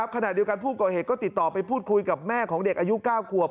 ขณะเดียวกันผู้ก่อเหตุก็ติดต่อไปพูดคุยกับแม่ของเด็กอายุ๙ขวบ